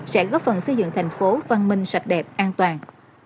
sẽ góp phần xây dựng thành phố văn minh sạch đẹp an toàn